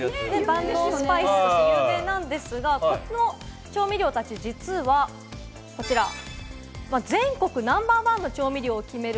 万能スパイスとして有名なんですが、この調味料たち実はこちら、全国ナンバーワンの調味料を決める